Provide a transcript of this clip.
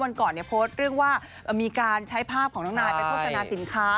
วันก่อนเนี่ยโพสต์เรื่องว่ามีการใช้ภาพของน้องนายไปโฆษณาสินค้า